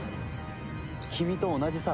君と同じさ。